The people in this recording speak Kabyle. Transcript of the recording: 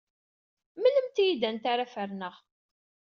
Mlemt-iyi-d anta ara ferneɣ.